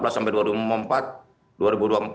dua ribu empat belas sampai dua ribu dua puluh empat